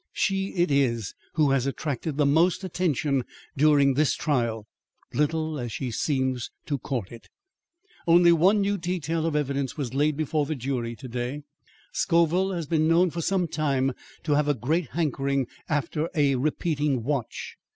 She it is who has attracted the most attention during this trial, little as she seems to court it." "Only one new detail of evidence was laid before the jury to day. Scoville has been known for some time to have a great hankering after a repeating watch.